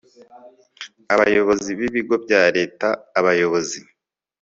Abayobozi b Ibigo bya Leta Abayobozi